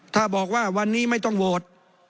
ถ้าบอกว่าวันนี้ไม่ต้องโหวต